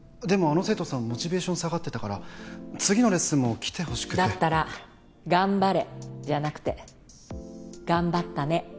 あの生徒さんモチベーション下がってたから次のレッスンも来てほしくてだったら頑張れじゃなくて頑張ったね